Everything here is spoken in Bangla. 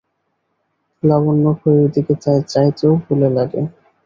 লাবণ্য ঘড়ির দিকে চাইতেও ভুলে গেল।